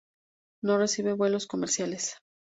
No recibe vuelos comerciales.